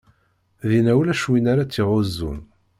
Dinna ulac win ara tt-iɣunzun.